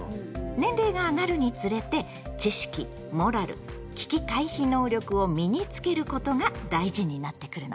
年齢が上がるにつれて知識・モラル・危機回避能力を身につけることが大事になってくるの。